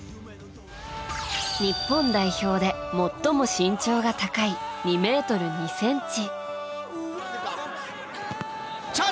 日本代表で最も身長が高い２ｍ２ｃｍ。